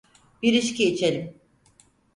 Bir içki içelim.